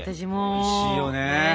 おいしいよね！ね。